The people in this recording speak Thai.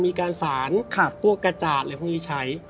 มีการสารพวกกระจาดอะไรพวกนี้ใช้